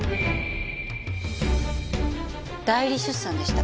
代理出産でした。